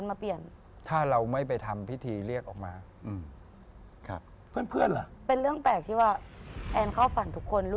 แอนเข้าฝันทุกคน